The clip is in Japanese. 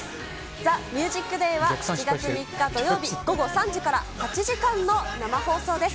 ＴＨＥＭＵＳＩＣＤＡＹは７月３日土曜日午後３時から８時間の生放送です。